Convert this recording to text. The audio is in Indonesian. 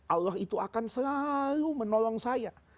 allah itu akan selalu menolong saya